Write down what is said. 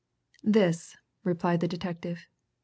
"This," replied the detective.